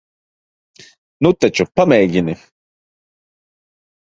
Nu taču, pamēģini.